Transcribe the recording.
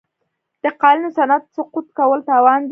د قالینو صنعت سقوط کول تاوان دی.